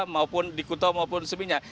maupun di kuto maupun sebelumnya